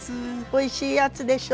おいしいやつでしょ？